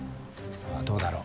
さあどうだろう？